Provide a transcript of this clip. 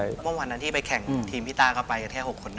เพราะเมื่อวันนั้นที่ไปแข่งทีมพี่ตาก็ไปแค่๖คนเลย